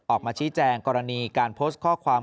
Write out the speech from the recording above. ออกมาชี้แจงกรณีการโพสต์ข้อความ